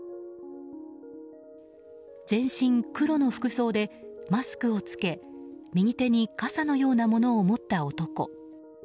全身黒の服装でマスクを着け右手に傘のようなものを持った男。